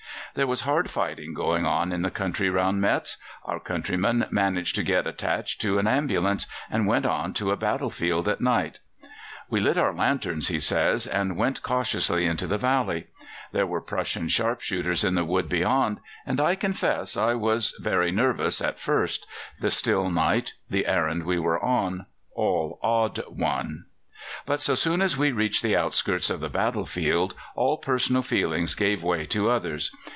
There was hard fighting going on in the country round Metz. Our countryman managed to get attached to an ambulance, and went on to a battle field at night. "We lit our lanterns," he says, "and went cautiously into the valley. There were Prussian sharpshooters in the wood beyond, and I confess I was very nervous at first: the still night, the errand we were on, all awed one. But so soon as we reached the outskirts of the battle field all personal feelings gave way to others.